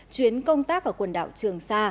chuyến công tác ở quần đảo trường sa